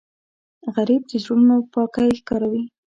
غریب د زړونو پاکی ښکاروي